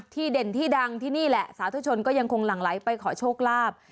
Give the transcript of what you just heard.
เด่นที่ดังที่นี่แหละสาธุชนก็ยังคงหลั่งไหลไปขอโชคลาภ